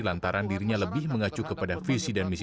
lantaran dirinya lebih mengacu kepada visi dan misi